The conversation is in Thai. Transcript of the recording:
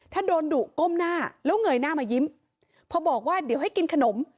ถ้าโดนดุก้มหน้าแล้วเงยหน้ามายิ้มพอบอกว่าเดี๋ยวให้กินขนม